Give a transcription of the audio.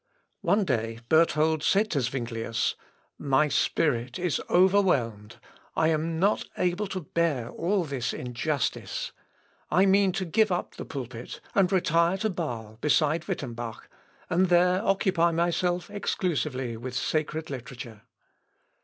One day, Berthold said to Zuinglius, "My spirit is overwhelmed.... I am not able to bear all this injustice. I mean to give up the pulpit and retire to Bâle beside Wittembach, and there occupy myself exclusively with sacred literature."